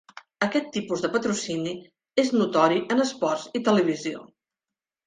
Aquest tipus de patrocini és notori en esports i televisió.